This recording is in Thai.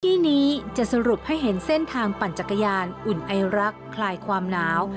ที่นี้จะสรุปให้เห็นเส้นทางปั่นจักรยานอุ่นไอรักคลายความหนาว